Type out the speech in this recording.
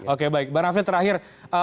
oke baik bang hafid terakhir